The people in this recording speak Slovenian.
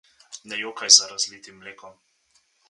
Ne jokaj za razlitim mlekom.